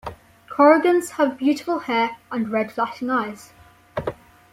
Korrigans have beautiful hair and red flashing eyes.